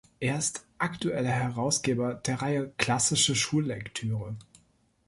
Er ist aktueller Herausgeber der Reihe "Klassische Schullektüre".